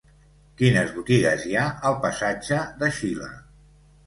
Quines botigues hi ha al passatge de Xile?